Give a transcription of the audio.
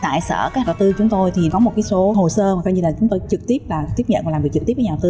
tại sở các đầu tư chúng tôi có một số hồ sơ chúng tôi trực tiếp tiếp nhận và làm việc trực tiếp với nhà đầu tư